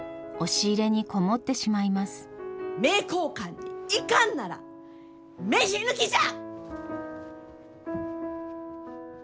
名教館に行かんなら飯抜きじゃ！